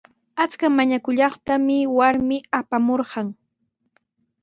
Akshu mañakullanqaatami warmi apamurqan.